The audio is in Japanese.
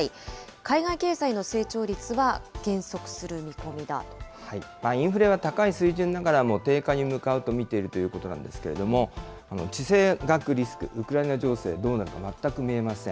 海外経済の成長率は減速する見込インフレは高い水準ながらも、低下に向かうと見ているということなんですけれども、地政学リスク、ウクライナ情勢、どうなるか全く見えません。